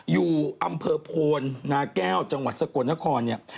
อยู่อำเภอโพนนาแก้วจังหวัดสกลนครเนี่ย